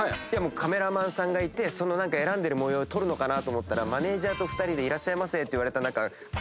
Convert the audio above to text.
カメラマンさんがいて選んでる模様を撮るのかなと思ったらマネジャーと２人で「いらっしゃいませ」って言われ。